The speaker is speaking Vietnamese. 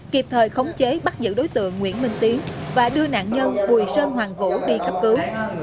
kịp thời khống chế bắt giữ đối tượng nguyễn minh tiến và đưa nạn nhân bùi sơn hoàng vũ đi cấp cứu